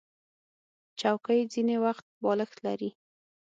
چوکۍ ځینې وخت بالښت لري.